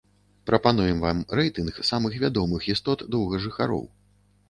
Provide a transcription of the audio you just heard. Прапануем вам рэйтынг самых вядомых істот-доўгажыхароў.